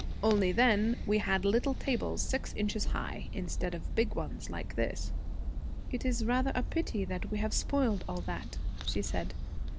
'Only then we had little tables six inches high, instead of big ones like this.' 'It is rather a pity that we have spoiled all that,' she said.